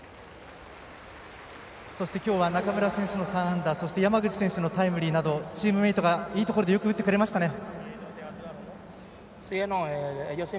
きょうは、中村選手の３安打山口選手のタイムリーなどチームがいいところでよく打ってくれましたね。